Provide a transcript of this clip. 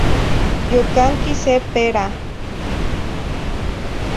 Yocanqui se pera.